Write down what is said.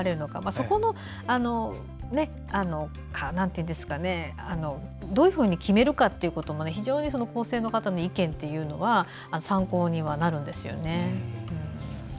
そこをどういうふうに決めるかも構成の方の意見というのは参考にはなるんですね。